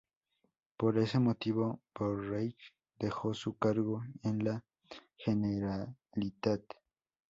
Por ese motivo, Borrell dejó su cargo en la Generalitat.